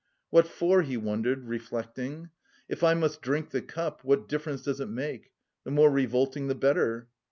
what for?" he wondered, reflecting. "If I must drink the cup what difference does it make? The more revolting the better."